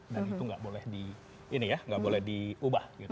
dan itu nggak boleh diubah